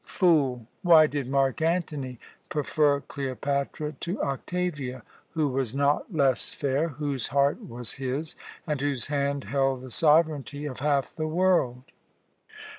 Fool! Why did Mark Antony prefer Cleopatra to Octavia, who was not less fair, whose heart was his, and whose hand held the sovereignty of half the world?"